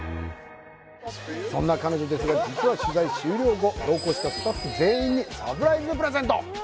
そんな彼女ですが実は取材終了後同行したスタッフ全員にサプライズプレゼント！